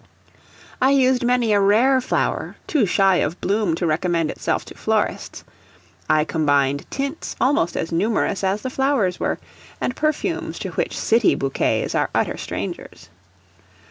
I used many a rare flower, too shy of bloom to recommend itself to florists; I combined tints almost as numerous as the flowers were, and perfumes to which city bouquets are utter strangers.